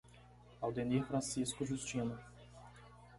Aldenir Francisco Justino